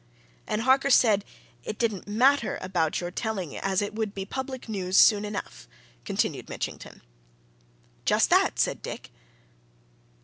"And Harker said it didn't matter about your telling as it would be public news soon enough?" continued Mitchington. "Just that," said Dick.